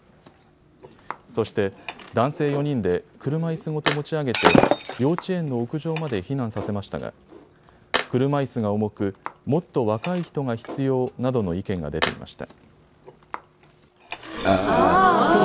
そして男性４人で車いすごと持ち上げて幼稚園の屋上まで避難させましたが車いすが重く、もっと若い人が必要などの意見が出ていました。